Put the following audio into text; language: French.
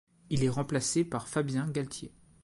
Il est remplacé par Fabien Galthié.